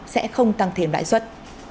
sẽ không tăng thêm lãi suất